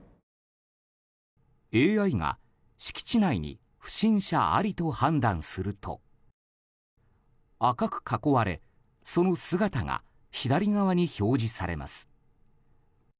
ＡＩが敷地内に不審者ありと判断すると赤く囲われ、その姿が左側に表示されます。